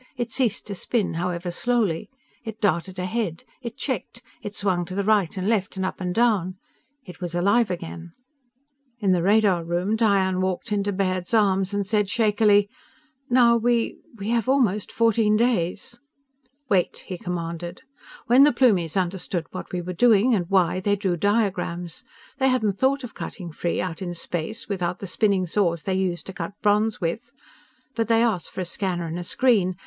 It ceased to spin, however slowly. It darted ahead. It checked. It swung to the right and left and up and down. It was alive again. In the radar room, Diane walked into Baird's arms and said shakily: "Now we ... we have almost fourteen days." "Wait," he commanded. "When the Plumies understood what we were doing, and why, they drew diagrams. They hadn't thought of cutting free, out in space, without the spinning saws they use to cut bronze with. But they asked for a scanner and a screen.